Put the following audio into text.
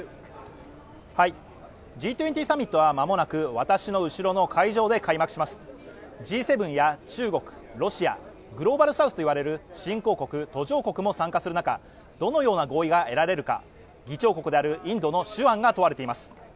Ｇ２０サミットはまもなく私の後ろの会場で開幕しますＧ７や中国ロシアグローバルサウスと言われる新興国途上国も参加する中どのような合意が得られるか議長国であるインドの手腕が問われています